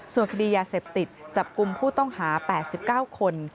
ส่วนคดียาเสพติดจับกลุ่มผู้ต้องหา๘๙คน